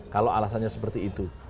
kalau alasannya seperti itu